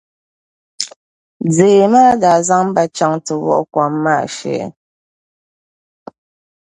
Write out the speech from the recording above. Dee maa daa zaŋ ba ti wuhi kom maa shee.